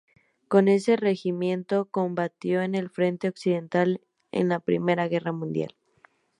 Con ese regimiento combatió en el frente occidental en la Primera Guerra Mundial.